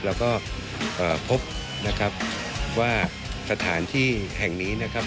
แล้วก็พบนะครับว่าสถานที่แห่งนี้นะครับ